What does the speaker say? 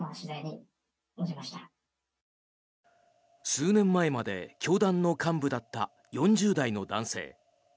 数年前まで教団の幹部だった４０代の男性。